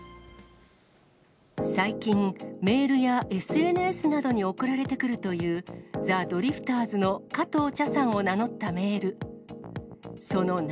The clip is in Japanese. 最近、メールやＳＮＳなどに送られてくるという、ザ・ドリフターズの加藤茶さんを名乗ったメール。